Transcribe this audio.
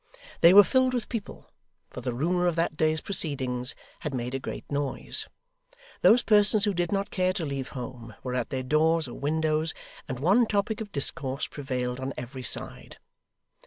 They were filled with people, for the rumour of that day's proceedings had made a great noise. Those persons who did not care to leave home, were at their doors or windows, and one topic of discourse prevailed on every side.